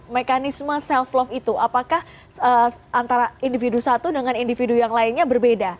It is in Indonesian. mekanisme self love itu apakah antara individu satu dengan individu yang lainnya berbeda